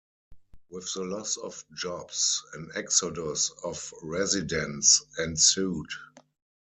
With the loss of jobs, an exodus of residents ensued.